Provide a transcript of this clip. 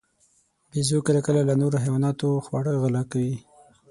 بیزو کله کله له نورو حیواناتو خواړه غلا کوي.